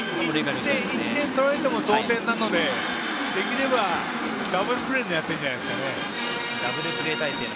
１点取られても同点なのでできればダブルプレーを狙っていきたいんでしょうかね。